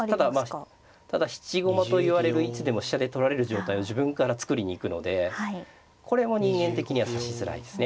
ただ質駒といわれるいつでも飛車で取られる状態を自分から作りに行くのでこれも人間的には指しづらいですね。